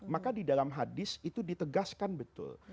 maka di dalam hadis itu ditegaskan betul